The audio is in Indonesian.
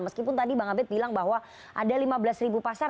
meskipun tadi bang abed bilang bahwa ada lima belas pasar